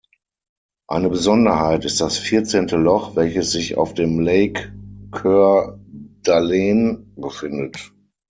Eine Besonderheit ist das vierzehnte Loch, welches sich auf dem Lake Coeur d’Alene befindet.